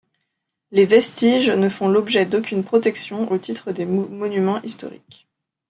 Les vestiges ne font l'objet d'aucune protection au titre des monuments historiques.